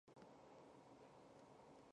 最后才给予神父的身分。